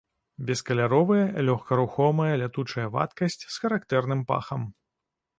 Бескаляровая лёгкарухомая лятучая вадкасць з характэрным пахам.